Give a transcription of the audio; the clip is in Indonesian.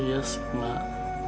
iya sih mak